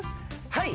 はい。